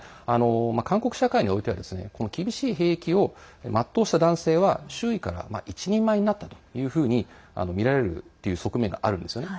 韓国社会においては厳しい兵役を全うした男性は周囲から一人前になったというふうにみられるという側面があるんですよね。